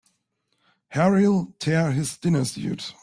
Harry'll tear his dinner suit.